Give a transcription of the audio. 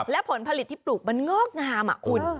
และผลผลิตที่ปลูกมันงอกงามคุณ